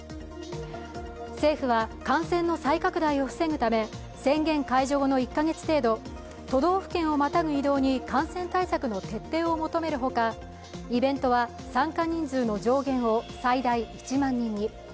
政府は、感染の再拡大を防ぐため宣言解除後の１カ月程度、都道府県をまたぐ移動に感染対策の徹底を求めるほかイベントは参加人数の上限を最大１万人に。